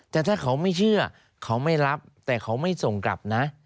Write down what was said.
แต่ถ้าเขาไม่เชื่อเขาไม่รับแต่เขาไม่ส่งกลับนะ